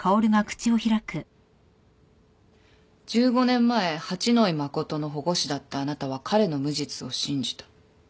１５年前八野衣真の保護司だったあなたは彼の無実を信じた。